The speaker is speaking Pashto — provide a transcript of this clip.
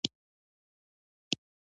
تر اوسه پوري هلته اوسیږي.